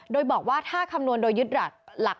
โดยบอกว่าถ้าคำนวณโดยยึดหลัก